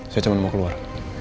saya cuma mau keluar